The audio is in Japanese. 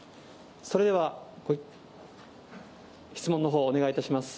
それでは質問のほう、お願いいたします。